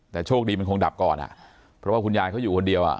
แต่โชคดีมันคงดับก่อนอ่ะเพราะว่าคุณยายเขาอยู่คนเดียวอ่ะ